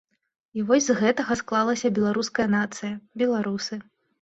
І вось з гэтага склалася беларуская нацыя, беларусы.